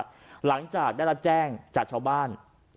หลังจากได้รับแจ้งจากชาวบ้าน